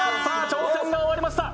挑戦が終わりました。